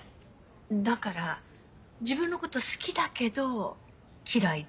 だから自分のこと好きだけど嫌いで。